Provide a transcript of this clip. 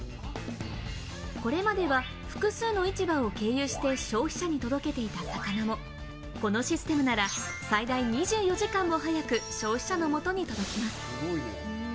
これまでは複数の市場を経由して消費者に届けていた魚をこのシステムなら最大２４時間も早く消費者の元に届きます。